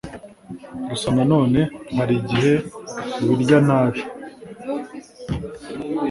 Gusa nanone hari igihe ubirya nabi